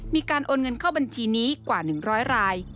มีการโอนเงินเข้าบัญชีนี้กว่า๑๐๐ราย